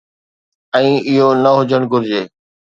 ۽ اهو نه هجڻ گهرجي.